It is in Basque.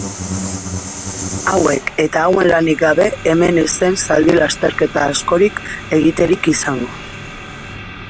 Hauek eta hauen lanik gabe hemen ez zen zaldi-lasterketa askorik egiterik izango.